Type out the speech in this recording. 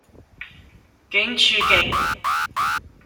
警署徑